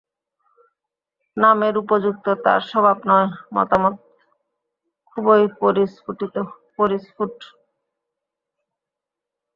নামের উপযুক্ত তাঁর স্বভাব নয়, মতামত খুবই পরিস্ফুট।